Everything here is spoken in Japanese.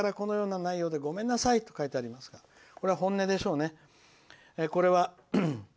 年の初めからこのような内容でごめんなさい」と書いてありますがこれは本音でしょうね。